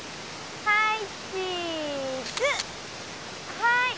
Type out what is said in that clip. はい。